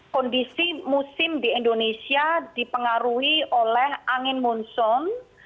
kondisi musim di indonesia dipengaruhi oleh angin monsoon